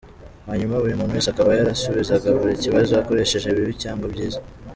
Hanyuma buri muntu wese akaba yarasubizaga buri kibazo akoresheje bibi cyangwa byiza.